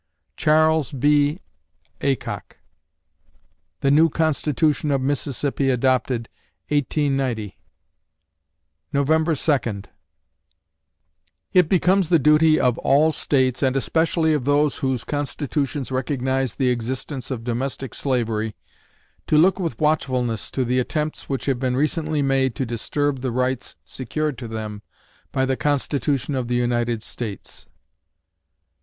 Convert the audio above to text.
CHARLES B. AYCOCK The New Constitution of Mississippi adopted, 1890 November Second It becomes the duty of all States, and especially of those whose constitutions recognize the existence of domestic slavery, to look with watchfulness to the attempts which have been recently made to disturb the rights secured to them by the Constitution of the United States.